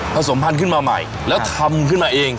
สมพันธุ์ขึ้นมาใหม่แล้วทำขึ้นมาเอง